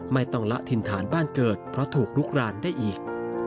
ไม่ต้องละถิ่นฐานบ้านเกิดเพราะถูกลุกรานได้อีก